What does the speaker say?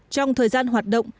trong thời gian hoạt động